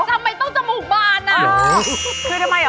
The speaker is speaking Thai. ทำไมต้องจมูงบาน